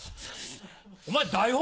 お前台本